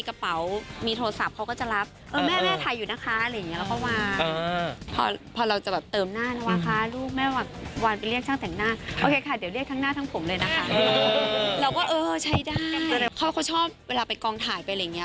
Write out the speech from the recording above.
เขาก็ชอบเวลาไปกองถ่ายเป็นอย่างนี้